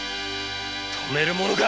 とめるものか！